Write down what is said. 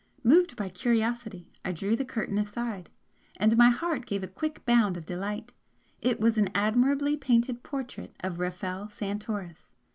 Moved by curiosity, I drew the curtain aside, and my heart gave a quick bound of delight, it was an admirably painted portrait of Rafel Santoris.